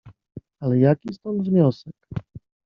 "Ale jaki stąd wniosek?"